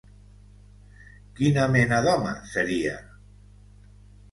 Quina mena d'home seria?